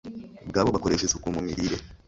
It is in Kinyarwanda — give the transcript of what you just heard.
bwabo bakoresha isuku mu mirire,